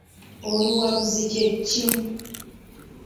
Oluwabuzi kye ki?